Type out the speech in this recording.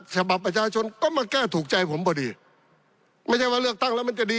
ฉบับประชาชนก็มาแก้ถูกใจผมพอดีไม่ใช่ว่าเลือกตั้งแล้วมันจะดี